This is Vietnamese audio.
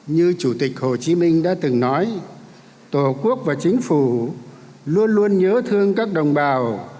như chủ tịch hồ chí minh đã từng nói tổ quốc và chính phủ luôn luôn nhớ thương các đồng bào